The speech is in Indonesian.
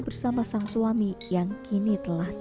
susah banget anak kita tuh